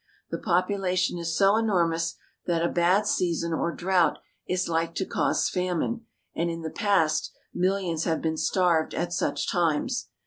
The population is so enormous that a bad season or drought is like to cause famine, and in the past millions have been starved at such times.